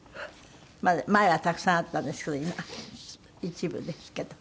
まだたくさんあったんですけど一部ですけど。